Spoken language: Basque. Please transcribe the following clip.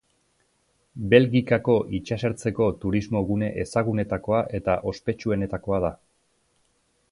Belgikako itsasertzeko turismo gune ezagunetakoa eta ospetsuenetakoa da.